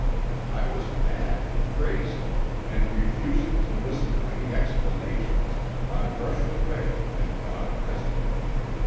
I was mad, crazy, and refusing to listen to any explanations I rushed away and bought a pistol.